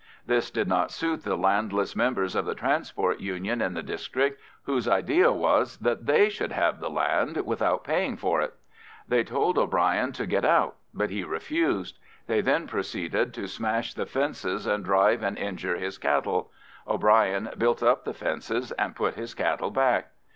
This did not suit the landless members of the Transport Union in the district, whose idea was that they should have the land without paying for it. They told O'Brien to get out, but he refused; they then proceeded to smash the fences and drive and injure his cattle. O'Brien built up the fences and put his cattle back.